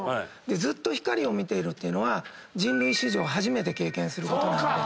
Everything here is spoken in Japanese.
ずっと光を見てるというのは人類史上初めて経験することなので。